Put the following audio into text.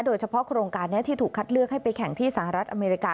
โดยเฉพาะโครงการที่ถูกคัดเลือกให้ไปแข่งที่สหรัฐอเมริกา